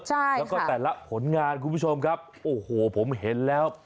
ใช่แล้วก็แต่ละผลงานคุณผู้ชมครับโอ้โหผมเห็นแล้ว